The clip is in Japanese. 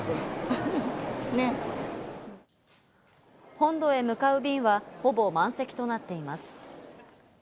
本土へ向かう便はほぼ満席となっています。